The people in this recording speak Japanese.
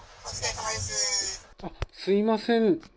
すみません。